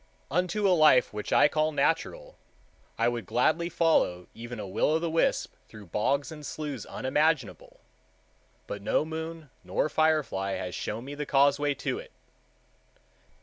Unto a life which I call natural I would gladly follow even a will o' the wisp through bogs and sloughs unimaginable, but no moon nor firefly has shown me the causeway to it.